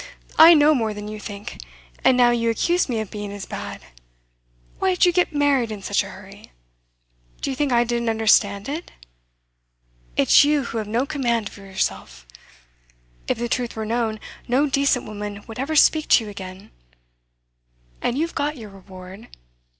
I know more than you think; and now you accuse me of being as bad. Why did you get married in such a hurry? Do you think I didn't understand it? It's you who have no command over yourself. If the truth were known, no decent woman would ever speak to You again. And you've got your reward.